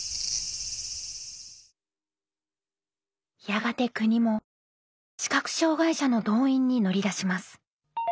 やがて国も視覚障害者の動員に乗り出します。